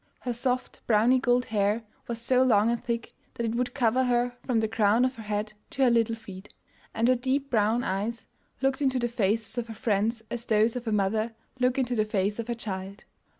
Her soft, browny gold hair was so long and thick that it would cover her from the crown of her head to her little feet, and her deep brown eyes looked into the faces of her friends as those of a mother look into the face of her child.